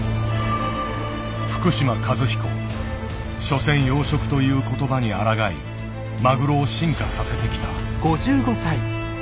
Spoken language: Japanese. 「しょせん養殖」という言葉にあらがいマグロを進化させてきた。